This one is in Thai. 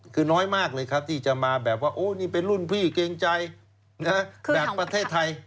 คือน้อยมากเลยครับที่จะมาแบบว่าโอ้นี่เป็นรุ่นพี่เกรงใจแบบประเทศไทย